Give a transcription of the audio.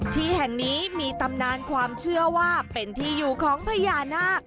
ที่แห่งนี้มีตำนานความเชื่อว่าเป็นที่อยู่ของพญานาค